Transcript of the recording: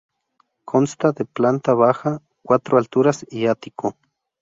Consta de planta baja, cuatro alturas y ático.